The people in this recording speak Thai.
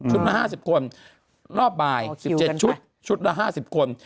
ละ๕๐คนรอบบ่าย๑๗ชุดชุดละ๕๐คน